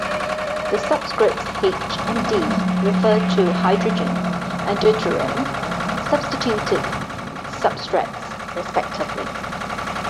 The subscripts H and D refer to hydrogen and deuterium substituted substrates, respectively.